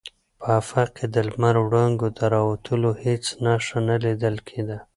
په افق کې د لمر وړانګو د راوتلو هېڅ نښه نه لیدل کېده.